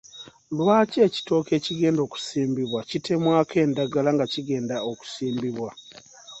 Lwaki ekitooke ekigenda okusimbibwa kitemwaka endagala nga kigenda okusibmbiwa?